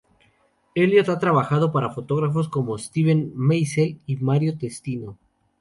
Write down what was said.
Elliot ha trabajado para fotógrafos como Steven Meisel y Mario Testino.